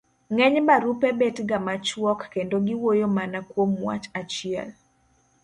ng'eny barupe bet ga machuok kendo giwuoyo mana kuom wach achiel.